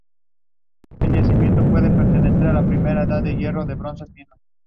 Escaparon del desastre tres galeras, "Mendoza", "Soberana" y "San Juan".